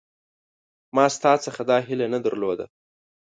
ما ستا څخه دا هیله نه درلوده